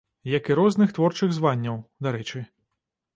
Як і розных творчых званняў, дарэчы.